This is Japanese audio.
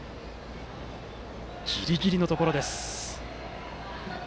ギリギリのところでした。